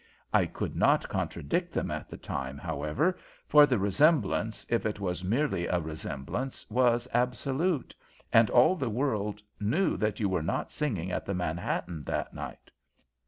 I could not contradict them at that time, however, for the resemblance, if it was merely a resemblance, was absolute, and all the world knew that you were not singing at the Manhattan that night.